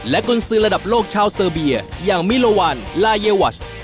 กุญสือระดับโลกชาวเซอร์เบียอย่างมิลวันลาเยวัช